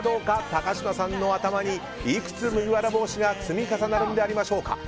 高嶋さんの頭にいくつ麦わら帽子が積み重なるんでありましょうか。